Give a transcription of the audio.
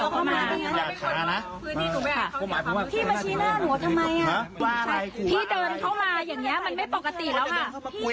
ก็ไม่เป็นไรค่ะก็คุยธรรมดาก็ยืนคุย